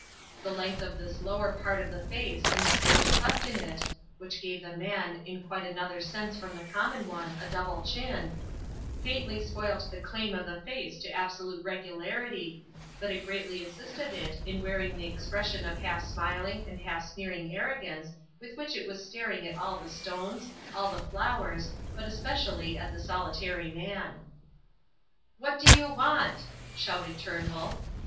The length of this lower part of the face and the strange cleft in it (which gave the man, in quite another sense from the common one, a double chin) faintly spoilt the claim of the face to absolute regularity, but it greatly assisted it in wearing the expression of half smiling and half sneering arrogance with which it was staring at all the stones, all the flowers, but especially at the solitary man. "What do you want?" shouted Turnbull.